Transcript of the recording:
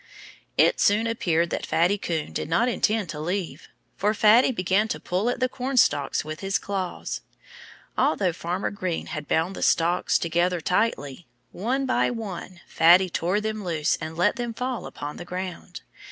It soon appeared that Fatty Coon did not intend to leave. For Fatty began to pull at the cornstalks with his claws. Although Farmer Green had bound the stalks together tightly, one by one Fatty tore them loose and let them fall upon the ground.